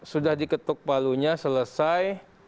sudah diketuk palunya selesai